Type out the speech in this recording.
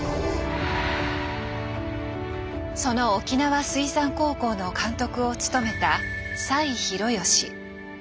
その沖縄水産高校の監督を務めた栽弘義。